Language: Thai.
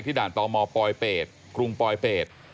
ที่ด่านต่อมอปลอยเปดกรุงปลอยเปด